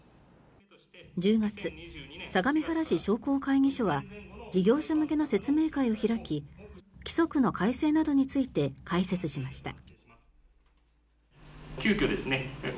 １０月、相模原市商工会議所は事業者向けの説明会を開き規則の改正などについて解説しました。